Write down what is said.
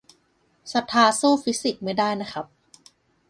ศรัทธาสู้ฟิสิกส์ไม่ได้นะครับ